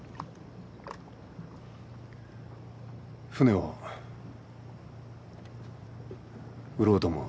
船を売ろうと思う。